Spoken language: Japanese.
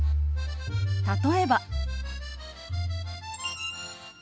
例えば。